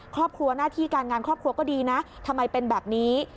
ครอบครัวหน้าที่การงานครอบครัวก็ดีนะทำไมเป็นแบบนี้